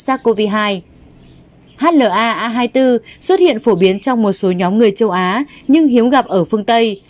sars cov hai a hai mươi bốn xuất hiện phổ biến trong một số nhóm người châu á nhưng hiếm gặp ở phương tây